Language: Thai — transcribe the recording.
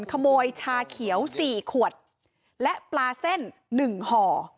ขโมยชาเขียว๔ขวดและปลาเส้น๑ห่อ